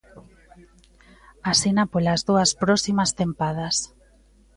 Asina polas dúas próximas tempadas.